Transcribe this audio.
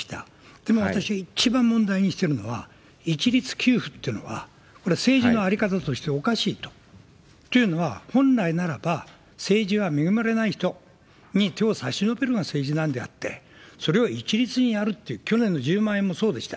でも、私一番問題にしてるのは、一律給付ってのは、これは政治の在り方としておかしいと。っていうのは、本来ならば政治は恵まれない人に手を差し伸べるのが政治なんであって、それを一律にやるっていう、去年の１０万円もそうでした。